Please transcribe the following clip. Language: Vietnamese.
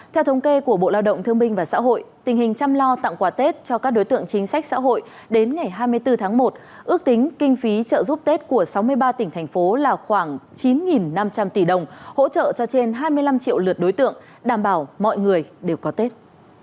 theo thống kê của bộ lao động thương minh và xã hội tình hình chăm lo tặng quà tết cho các đối tượng chính sách xã hội đến ngày hai mươi bốn tháng một ước tính kinh phí trợ giúp tết của sáu mươi ba tỉnh thành phố là khoảng chín năm trăm linh tỷ đồng hỗ trợ cho trên hai mươi năm triệu lượt đối tượng đảm bảo mọi người đều có tết